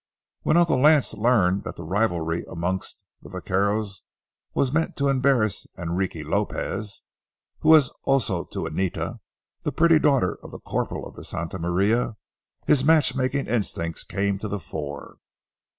When Uncle Lance learned that the rivalry amongst the vaqueros was meant to embarrass Enrique Lopez, who was oso to Anita, the pretty daughter of the corporal of Santa Maria, his matchmaking instincts came to the fore.